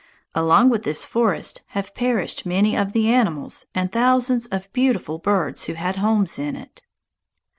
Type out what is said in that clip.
Along with this forest have perished many of the animals and thousands of beautiful birds who had homes in it."